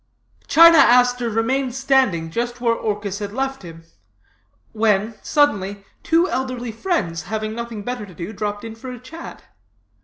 "China Aster remained standing just where Orchis had left him; when, suddenly, two elderly friends, having nothing better to do, dropped in for a chat.